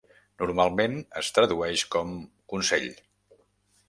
Normalment es tradueix com "consell".